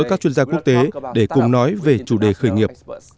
các chuyên gia quốc tế để cùng nói về chủ đề khởi nghiệp